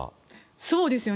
そうですよね。